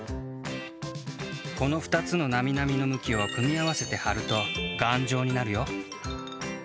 この２つのなみなみのむきを組み合わせてはると頑丈になるよ。